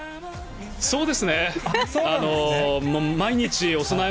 そうですね。